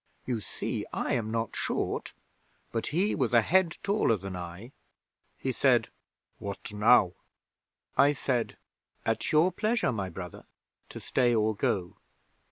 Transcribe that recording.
You see I am not short, but he was a head taller than I. He said: "What now?" I said: "At your pleasure, my brother, to stay or go."